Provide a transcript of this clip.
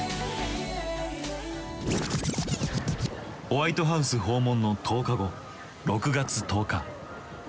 ホワイトハウス訪問の１０日後６月１０日。